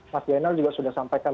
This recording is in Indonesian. mas zainal juga sudah sampaikan